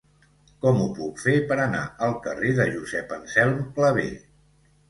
Com ho puc fer per anar al carrer de Josep Anselm Clavé?